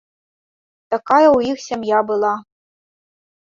Такая ў іх сям'я была.